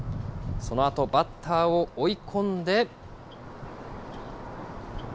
そのあと、バッターを追い込んで。